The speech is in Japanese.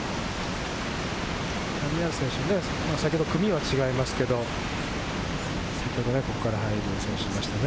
谷原選手、先ほど組は違いますけれど、先ほど、ここから入った選手がいましたね。